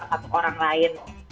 satu orang lain